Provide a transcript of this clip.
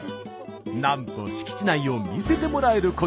なんと敷地内を見せてもらえることに。